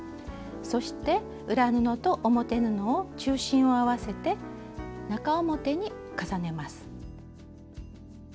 そして裏布と表布を中心を合わせて中表に重ねます。